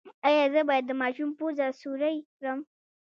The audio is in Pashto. ایا زه باید د ماشوم پوزه سورۍ کړم؟